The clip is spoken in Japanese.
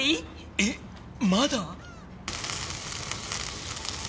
ええっ⁉まだ。